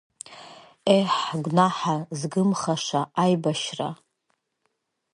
Еҳ, гәнаҳа згымхаша аибашьра.